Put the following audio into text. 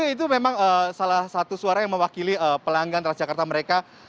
itu memang salah satu suara yang mewakili pelanggan transjakarta mereka